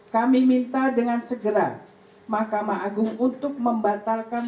kami minta dengan segera mahkamah agung untuk membatalkan